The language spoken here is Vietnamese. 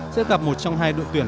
sẽ gặp một trong hai đội tuyển